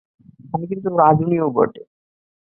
আমি কিন্তু রাঁধুনিও বটে!